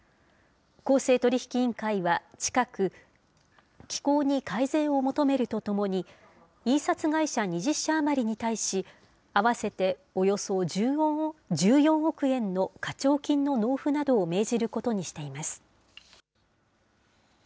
公正取引委員会は、近く、機構に改善を求めるとともに、印刷会社２０社余りに対し、合わせておよそ１４億円の課徴金の納付などを命じることにしています。